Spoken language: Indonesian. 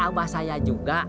kata abah saya juga